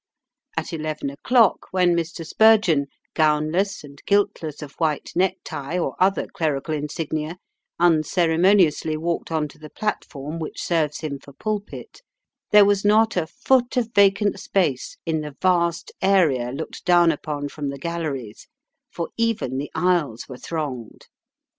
At eleven o'clock when Mr. Spurgeon, gownless and guiltless of white neck tie, or other clerical insignia, unceremoniously walked on to the platform which serves him for pulpit, there was not a foot of vacant space in the vast area looked down upon from the galleries, for even the aisles were thronged.